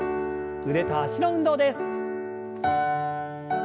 腕と脚の運動です。